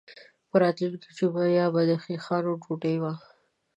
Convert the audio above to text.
په راتلونکې جمعه یې بیا د خیښانو ډوډۍ وه.